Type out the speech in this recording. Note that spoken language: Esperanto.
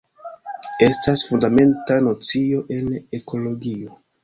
Estas fundamenta nocio en ekologio.